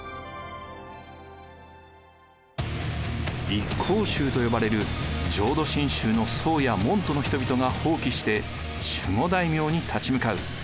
一向宗と呼ばれる浄土真宗の僧や門徒の人々が蜂起して守護大名に立ち向かう。